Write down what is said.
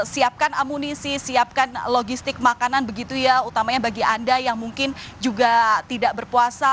siapkan amunisi siapkan logistik makanan begitu ya utamanya bagi anda yang mungkin juga tidak berpuasa